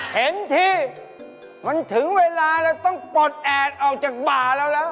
เห็นทีมันถึงเวลาเราต้องปลดแอดออกจากบ่าแล้วแล้ว